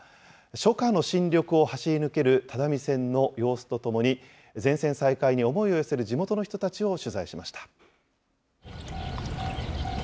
初夏の新緑を走り抜ける只見線の様子とともに、全線再開に思いを寄せる地元の人たちを取材しました。